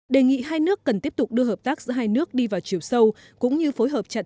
đề nghị hai nước cần tiếp tục đưa hợp tác giữa hai nước đi vào chiều sâu cũng như phối hợp chặt